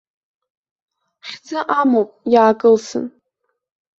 Хьӡы амоуп, иаакылсын.